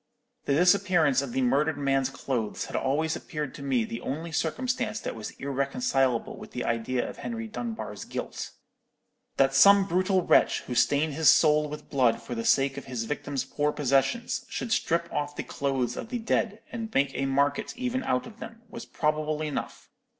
The disappearance of the murdered man's clothes had always appeared to me the only circumstance that was irreconcilable with the idea of Henry Dunbar's guilt. That some brutal wretch, who stained his soul with blood for the sake of his victim's poor possessions, should strip off the clothes of the dead, and make a market even out of them, was probable enough.